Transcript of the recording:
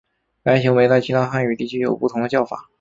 该行为在其他汉语地区有不同的叫法。